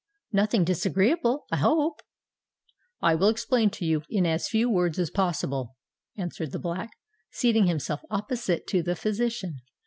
Nothing disagreeable, I hope?" "I will explain it to you in as few words as possible," answered the Black, seating himself opposite to the physician.